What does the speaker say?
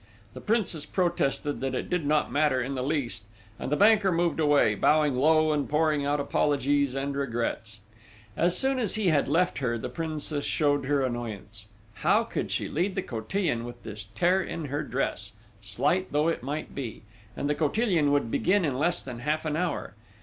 The Princess protested that it did not matter in the least, and the banker moved away, bowing low and pouring out apologies and regrets. As soon as he had left her the Princess showed her annoyance: how could she lead the cotillion with this tear in her dress, slight though it might be and the cotillion would begin in less than half an hour!